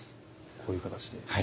こういう形で。